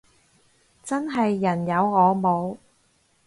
真係人有我冇